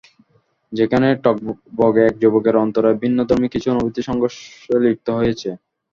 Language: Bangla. যেখানে টগবগে এক যুবকের অন্তরে ভিন্নধর্মী কিছু অনুভূতি সংঘর্ষে লিপ্ত হয়েছে।